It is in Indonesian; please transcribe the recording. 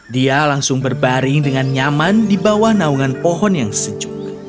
dia langsung berbaring dengan nyaman di bawah naungan pohon yang sejuk